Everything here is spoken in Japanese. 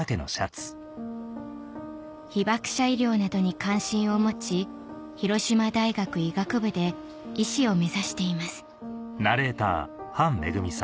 被爆者医療などに関心を持ち広島大学医学部で医師を目指しています